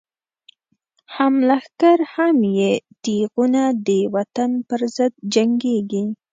هم لښکر هم یی تیغونه، د وطن پر ضد جنگیږی